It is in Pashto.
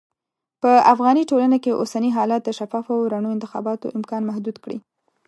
په افغاني ټولنه کې اوسني حالات د شفافو او رڼو انتخاباتو امکان محدود کړی.